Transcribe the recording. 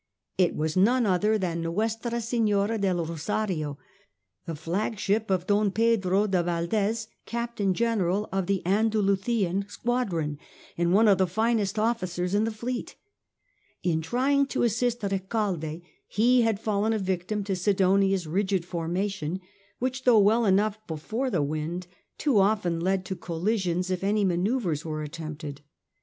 It was none other than Nuestra Senora del BosariOf the flagship of Don Pedro de Valdes, captain general of the Andalusian squadron, and one of the finest officers in the fleet In trying to assist Kecalde he had fallen a victim to Sidonia's rigid forma tion, which, though well enough before the wind, too often led to collisions if any manoeuvre was attempted.